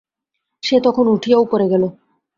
সে তখন উঠিয়া উপরে গেল।